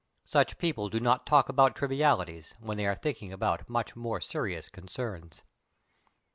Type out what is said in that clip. Such people do not talk about trivialities when they are thinking about much more serious concerns.